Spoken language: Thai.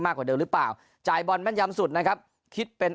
กว่าเดิมหรือเปล่าจ่ายบอลแม่นยำสุดนะครับคิดเป็น